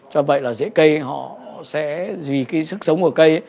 cho vậy là dễ cây họ sẽ duy cái sức sống của cây